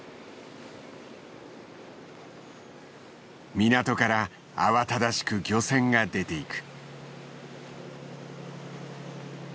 港から慌ただしく漁船が出ていく。